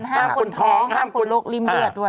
ห้ามคนท้องห้ามคนโรคริ่มเลือดด้วย